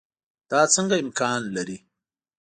دا څنګه امکان لري.